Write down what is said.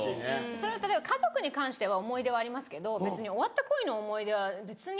それは例えば家族に関しては思い出はありますけど別に終わった恋の思い出は別に。